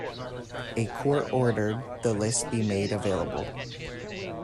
A court ordered the list be made available.